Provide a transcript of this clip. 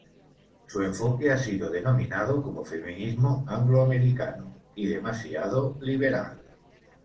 Su enfoque ha sido denominado como feminismo "Anglo-Americano" y demasiado "liberal"·.